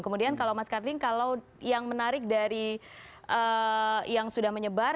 kemudian kalau mas karding kalau yang menarik dari yang sudah menyebar